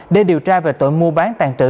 để điều tra về tội mua bán tàn trữ